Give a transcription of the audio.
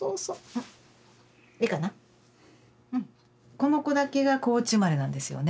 この子だけが高知生まれなんですよね